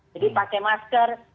jadi pakai masker